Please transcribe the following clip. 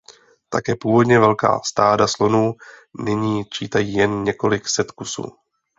Také původně velká stáda slonů nyní čítají jen několik set kusů.